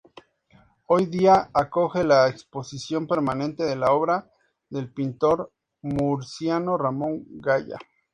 Hoy día acoge la exposición permanente de la obra del pintor murciano Ramón Gaya.